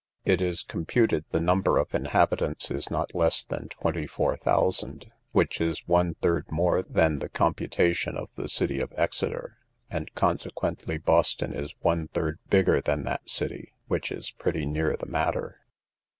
It is computed the number of inhabitants is not less than twenty four thousand, which is one third more than the computation of the city of Exeter, and consequently Boston is one third bigger than that city, which is pretty near the matter.